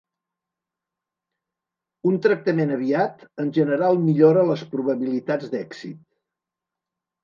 Un tractament aviat en general millora les probabilitats d'èxit.